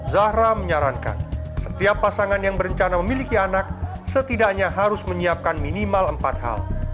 zahra menyarankan setiap pasangan yang berencana memiliki anak setidaknya harus menyiapkan minimal empat hal